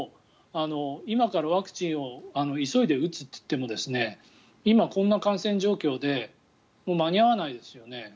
これは今からワクチンを急いで打つといっても今、こんな感染状況で間に合わないですよね。